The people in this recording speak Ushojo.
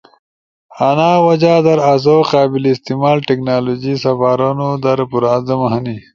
انا وجہ در آسو قابل استعمال ٹیکنالوجی سپارونو در پر عزم ہنی۔